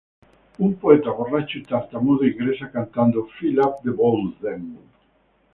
Un poeta borracho y tartamudo ingresa cantando ""Fill up the bowl then"".